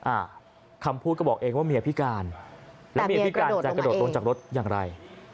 อ่าคำพูดก็บอกเองว่าเมียพิการแล้วเมียพิการจะกระโดดลงจากรถอย่างไร